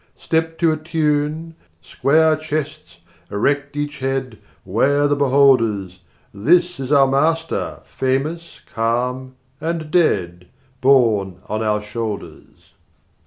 Step to a tune, square chests, erect each head, 'Ware the beholders! This is our master, famous calm and dead, Borne on our shoulders.